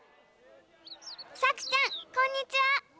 さくちゃんこんにちは！